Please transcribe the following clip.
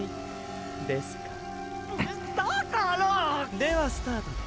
ではスタートで。